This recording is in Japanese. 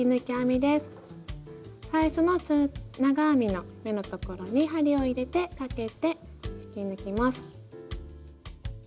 最初の中長編みの目のところに針を入れてかけて引き抜きます。